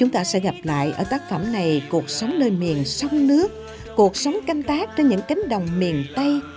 tại ở tác phẩm này cuộc sống nơi miền sông nước cuộc sống canh tác trên những cánh đồng miền tây